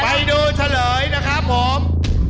ไปดูเฉลยนะครับผม